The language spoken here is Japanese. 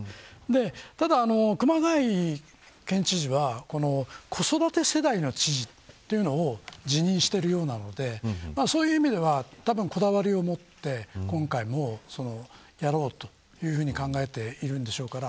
ただ、熊谷県知事は子育て世代の知事というのを自認しているようなのでそういう意味ではたぶん、こだわりを持って今回もやろうというふうに考えているんでしょうから。